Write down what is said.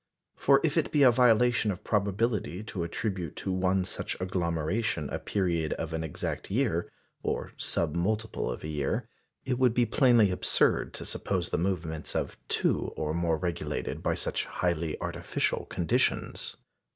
For if it be a violation of probability to attribute to one such agglomeration a period of an exact year, or sub multiple of a year, it would be plainly absurd to suppose the movements of two or more regulated by such highly artificial conditions.